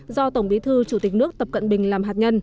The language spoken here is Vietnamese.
do tổng bí thư chủ tịch nước tập cận bình làm hạt nhân